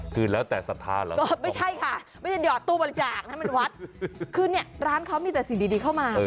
คือแล้วแต่สถานหรือ